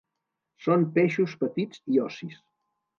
Són peixos petits i ossis.